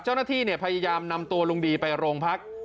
เจ้าหน้าที่พยายามนำตัวลุงดีไปโรงพัก